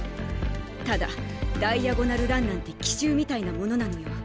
ただダイアゴナル・ランなんて奇襲みたいなものなのよ。